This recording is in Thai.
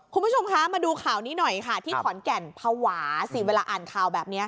คุณผู้ชมคะมาดูข่าวนี้หน่อยค่ะที่ขอนแก่นภาวะสิเวลาอ่านข่าวแบบนี้